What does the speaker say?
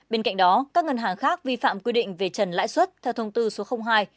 bên cạnh đó các ngân hàng khác vi phạm quy định về trần lãi xuất theo thông tư số hai